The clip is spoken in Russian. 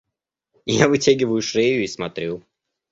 Я вытягиваю шею и смотрю.